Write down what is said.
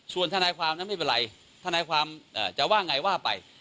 ส่วนทนายความนั้นไม่เป็นไรทนายความจะว่าไงว่าไป